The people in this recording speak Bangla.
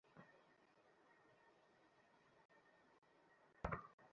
চলো, বাছা।